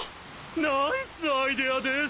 ナイスアイデアです。